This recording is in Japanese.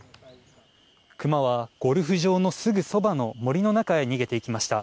熊はゴルフ場のすぐそばの森の中へ逃げていきました。